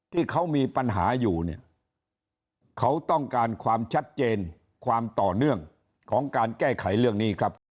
ที่เขามีปัญหาอยู่เนี่ยเขาต้องการความชัดเจนความต่อเนื่องของการแก้ไขเรื่องนี้ครับ